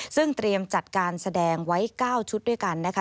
ซึ่งเตรียมจัดการแสดงไว้๙ชุดด้วยกันนะคะ